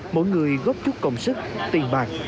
mỗi người góp chút công sức tiền bạc